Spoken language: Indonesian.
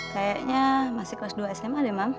kayaknya masih kelas dua sma deh mam